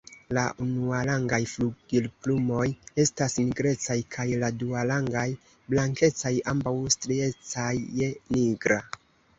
La unuarangaj flugilplumoj estas nigrecaj kaj la duarangaj blankecaj, ambaŭ striecaj je nigra.